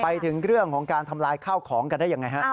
ไปถึงเรื่องของการทำลายข้าวของกันได้ยังไงฮะ